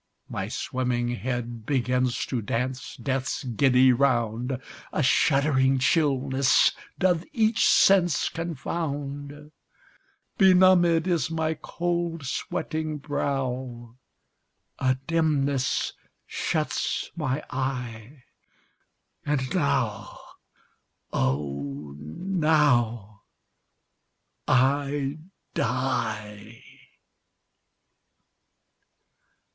My swimming head begins to dance death's giddy round; A shuddering chillness doth each sense confound; Benumbed is my cold sweating brow A dimness shuts my eye. And now, oh! now, I die!